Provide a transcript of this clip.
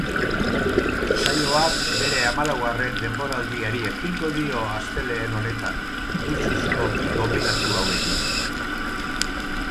Saioak bere hamalaugarren denboraldiari ekingo dio astelehen honetan luxuzko bi gonbidatu hauekin.